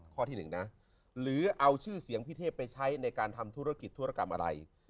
ที่หนึ่งนะหรือเอาชื่อเสียงพี่เทพไปใช้ในการทำธุรกิจธุรกรรมอะไร